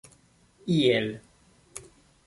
iel